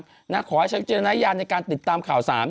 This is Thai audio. ขอให้ฉันเจอนัยยานในการติดตามข่าว๓